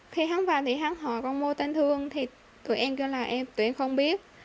khi hắn vào thì hắn hỏi con mô tên thương thì tụi em kêu là em tụi em không biết